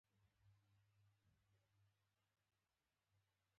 لاسونه یې پورته کړه او دعا یې وکړه .